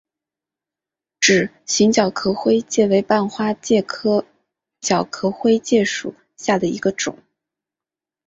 指形角壳灰介为半花介科角壳灰介属下的一个种。